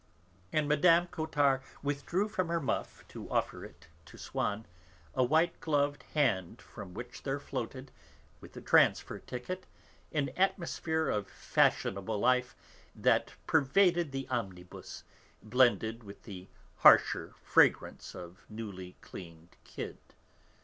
And Mme. Cottard withdrew from her muff, to offer it to Swann, a white gloved hand from which there floated, with a transier ticket, an atmosphere of fashionable life that pervaded the omnibus, blended with the harsher fragrance of newly cleaned kid.